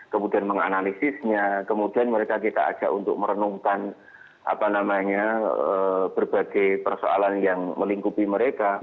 kemudian menganalisisnya kemudian mereka kita ajak untuk merenungkan berbagai persoalan yang melingkupi mereka